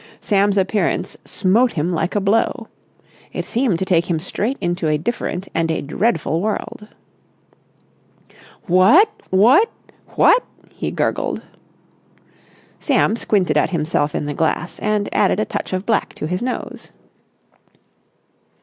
Sam's appearance smote him like a blow. It seemed to take him straight into a different and a dreadful world. "What ... what ... what...?" he gurgled. Sam squinted at himself in the glass and added a touch of black to his nose.